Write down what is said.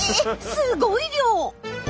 すごい量。